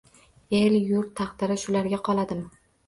El-yurt taqdiri shularga qoladimi?